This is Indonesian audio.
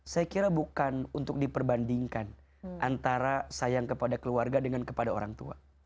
saya kira bukan untuk diperbandingkan antara sayang kepada keluarga dengan kepada orang tua